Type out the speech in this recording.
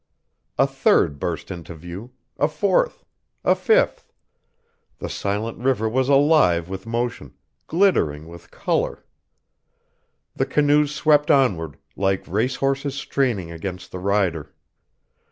A third burst into view, a fourth, a fifth. The silent river was alive with motion, glittering with color. The canoes swept onward, like race horses straining against the rider.